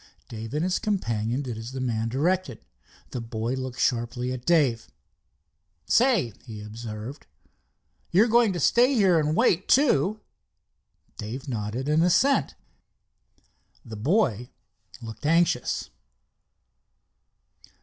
Dave and his companion did as the man directed. The boy looked sharply at Dave. "Say," he observed, "you going to stay here and wait, too?" Dave nodded an assent. The boy looked anxious.